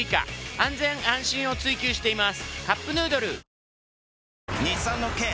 安全安心を追求しています。